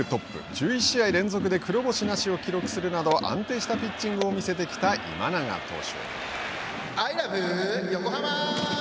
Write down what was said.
１１試合連続で黒星なしを記録するなど安定したピッチングを見せてきた今永投手。